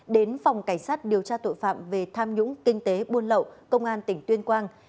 đến phòng cảnh sát điều tra tội phạm về tham nhũng kinh tế buôn lậu công an tỉnh tuyên quang